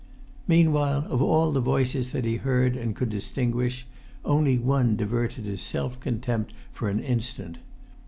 Meanwhile, of all the voices that he heard and could distinguish, only one diverted his self contempt for an instant.